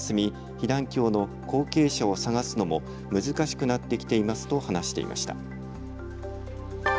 被団協の後継者を探すのも難しくなってきていますと話していました。